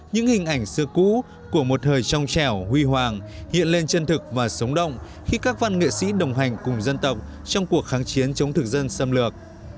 những hình ảnh xưa cũ của một thời trong chẻo huy hoàng hiện lên chân thực và sống động khi các văn nghệ sĩ đồng hành cùng dân tộc trong cuộc kháng chiến chống thực dân xâm lược